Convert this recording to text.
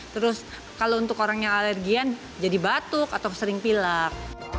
terus kalau untuk orang yang alergian jadi batuk atau sering pilak